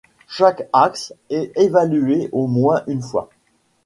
Chaque axe est évalué au moins une fois.